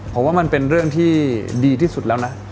ผมว่ามันเป็นเรื่องที่ดีที่สุดแล้วนะ